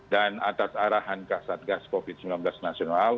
dan atas arahan ksatgas covid sembilan belas nasional